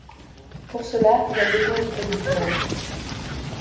Pour cela, il a besoin de l'aide de Pol.